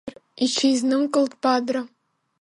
Иҽизнымкылт Бадра.